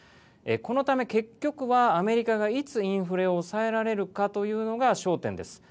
このため結局はアメリカが、いつインフレを抑えられるかというのが焦点です。